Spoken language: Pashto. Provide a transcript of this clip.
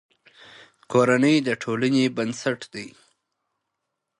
کورنۍ د ټولنې بنسټ دی.